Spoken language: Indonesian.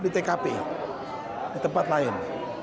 dia tidak ditangkap di tkp di tempat lain